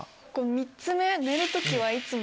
３つ目「寝る時はいつも」。